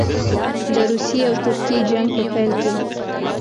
د روسیې او ترکیې جنګ په پیل کې.